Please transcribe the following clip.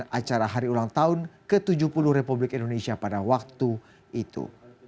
dan acara hari ulang tahun ke tujuh puluh republik indonesia pada waktu itu